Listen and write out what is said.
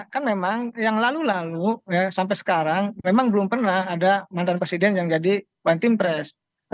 kan memang yang lalu lalu sampai sekarang memang belum pernah ada mantan presiden yang jadi one team press